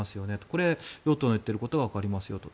これ、与党の言っていることはわかりますと。